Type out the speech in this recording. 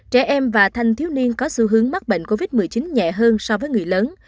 trẻ em và thanh thiếu niên có xu hướng mắc bệnh covid một mươi chín nhẹ hơn so với người lớn